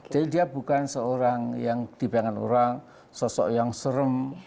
jadi dia bukan seorang yang dibayangkan orang sosok yang serem